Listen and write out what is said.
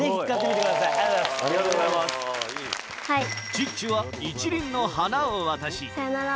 チッチは一輪の花を渡しさよなら。